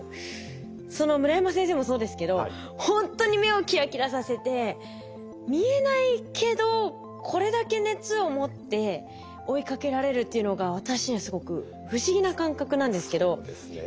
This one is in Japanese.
その村山先生もそうですけどほんとに目をキラキラさせて見えないけどこれだけ熱を持って追いかけられるっていうのが私にはすごく不思議な感覚なんですけどどういうモチベーションなんでしょうか？